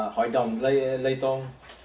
hội đồng lây tôn